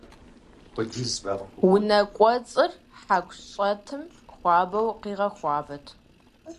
Унэкӏуэцӏыр хьэку щӏэтым хуабэу къигъэхуабэт.